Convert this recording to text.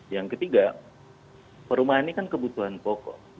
yang ketiga perumahan ini kan kebutuhan pokok